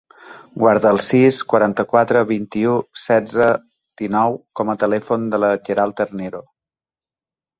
Guarda el sis, quaranta-quatre, vint-i-u, setze, dinou com a telèfon de la Queralt Ternero.